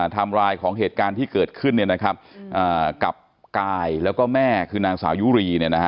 ทำรายของเหตุการณ์ที่เกิดขึ้นเนี่ยนะครับอ่ากับกายแล้วก็แม่คือนางสาวยุรีเนี่ยนะฮะ